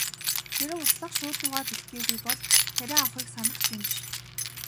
Хэрэв услах шуудуугаа бэлтгээгүй бол тариа авахыг санах ч юм биш.